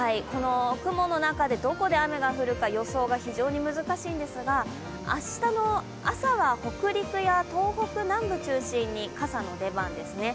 雲の中で、どこで雨が降るか予想が非常に難しいんですが明日の朝は北陸や東北南部中心に傘の出番ですね。